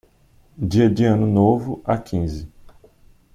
Dia de ano novo a quinze